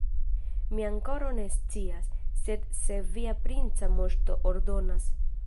Mi ankoraŭ ne scias; sed se via princa moŝto ordonas.